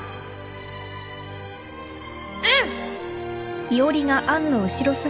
うん！